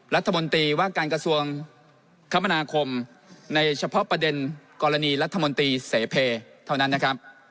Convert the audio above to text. รัฐมนตรีว่าการกระทรวงคมนาคมในเฉพาะประเด็นกรณีรัฐมนตรีเสเพเท่านั้นนะครับ